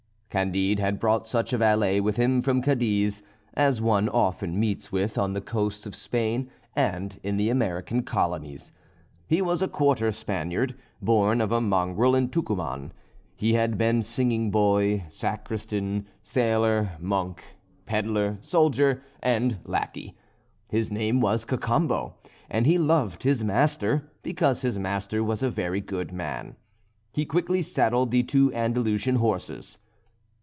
Candide had brought such a valet with him from Cadiz, as one often meets with on the coasts of Spain and in the American colonies. He was a quarter Spaniard, born of a mongrel in Tucuman; he had been singing boy, sacristan, sailor, monk, pedlar, soldier, and lackey. His name was Cacambo, and he loved his master, because his master was a very good man. He quickly saddled the two Andalusian horses.